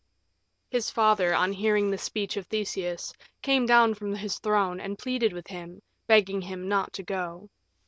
His father, on hearing the speech of Theseus, came down from his throne and pleaded with him, begging him not to go.